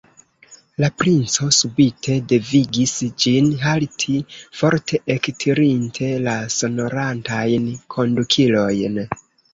La princo subite devigis ĝin halti, forte ektirinte la sonorantajn kondukilojn.